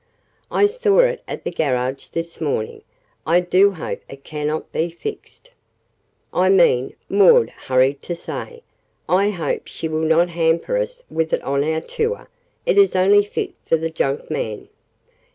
"I saw it at the garage this morning. I do hope it cannot be fixed. I mean," Maud hurried to say, "I hope she will not hamper us with it on our tour. It is only fit for the junkman."